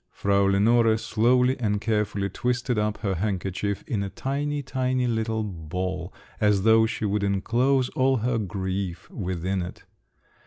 Frau Lenore slowly and carefully twisted up her handkerchief in a tiny, tiny little ball, as though she would enclose all her grief within it.